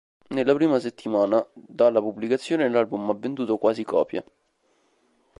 Nella prima settimana dalla pubblicazione, l'album ha venduto quasi copie.